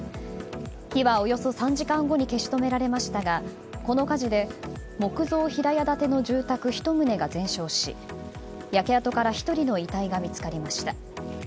火はおよそ３時間後に消し止められましたがこの火事で木造平屋建ての住宅１棟が全焼し焼け跡から１人の遺体が見つかりました。